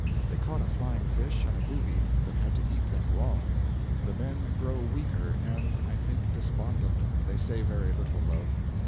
They caught a flying fish and a booby, but had to eat them raw. 'The men grow weaker, and, I think, despondent; they say very little, though.'